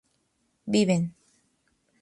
viven